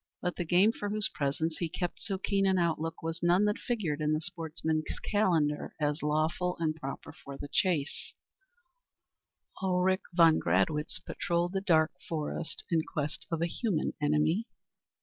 But the game for whose presence he kept so keen an outlook was none that figured in the sportsman's calendar as lawful and proper for the chase; Ulrich von Gradwitz patrolled the dark forest in quest of a human enemy.